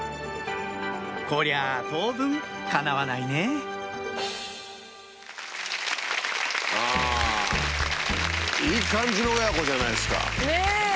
こりゃあ当分かなわないねいい感じの親子じゃないですか。ねぇ！